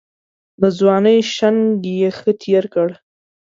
د ځوانۍ شنګ یې ښه تېر کړی.